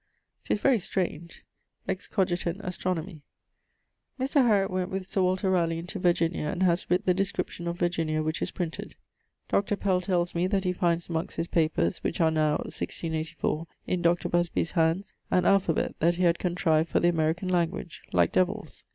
'Tis very strange: excogitent astronomi. Mr. Hariot went with Sir Walter Ralegh into Virginia, and haz writt the Description of Virginia, which is printed. Dr. Pell tells me that he finds amongst his papers (which are now, 1684, in Dr. Busby's hands), an alphabet that he had contrived for the American language, like Devills.